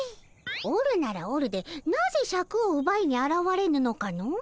おるならおるでなぜシャクをうばいにあらわれぬのかの。